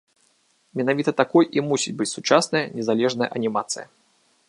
Менавіта такой і мусіць быць сучасная незалежная анімацыя.